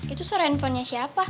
itu suara handphonenya siapa